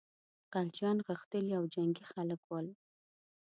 خلجیان غښتلي او جنګي خلک ول.